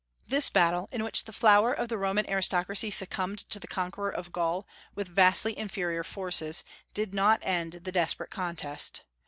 This battle, in which the flower of the Roman aristocracy succumbed to the conqueror of Gaul, with vastly inferior forces, did not end the desperate contest.